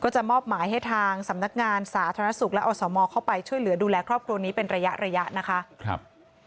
จะมอบหมายให้ทางสำนักงานสาธารณสุขและอสมเข้าไปช่วยเหลือดูแลครอบครัวนี้เป็นระยะนะคะ